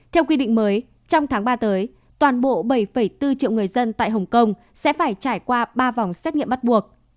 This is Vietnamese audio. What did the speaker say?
theo quy định mới trong tháng ba tới toàn bộ bảy bốn triệu người dân tại hồng kông sẽ phải trải qua ba vòng xét nghiệm bắt buộc